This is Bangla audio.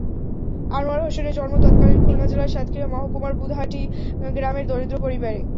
আনোয়ার হোসেনের জন্ম তৎকালীন খুলনা জেলার সাতক্ষীরা মহকুমার বুধহাটি গ্রামের দরিদ্র পরিবারে।